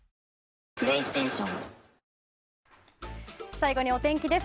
最後にお天気です。